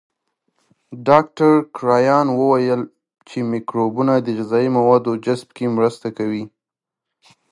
ډاکټر کرایان وویل چې مایکروبونه د غذایي موادو جذب کې مرسته کوي.